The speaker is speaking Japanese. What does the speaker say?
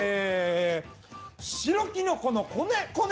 白きのここねこね